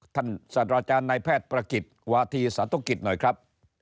ท่านศัตรูอาจารย์นายแพทย์ประกิจวาธีศาสตร์ธุกิจหน่อยครับ